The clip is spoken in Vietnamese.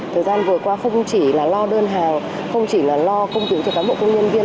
thời gian vừa qua không chỉ là lo đơn hàng không chỉ là lo công việc cho cán bộ công nhân viên